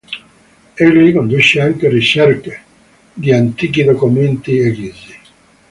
Egli conduce anche ricerche di antichi documenti egizi.